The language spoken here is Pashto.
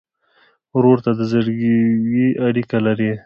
ورور ته د زړګي اړیکه لرې.